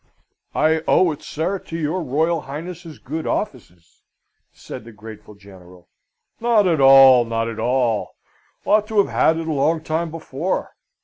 "I owe it, sir, to your Royal Highness's good offices," said the grateful General. "Not at all; not at all: ought to have had it a long time before.